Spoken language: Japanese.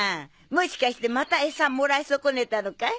もしかしてまたエサもらい損ねたのかい？